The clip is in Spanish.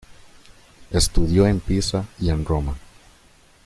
Estudió en Pisa y en Roma.